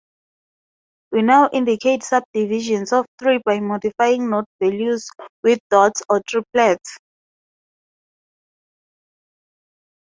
We now indicate subdivisions of three by modifying note values with dots or triplets.